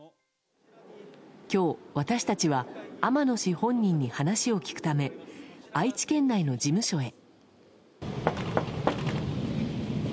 今日、私たちは天野氏本人に話を聞くため愛知県内の事務所へ。